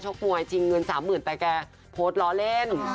จริงเงิน๓๐๐๐๐บาทแต่แกโพสต์ล้อเล่น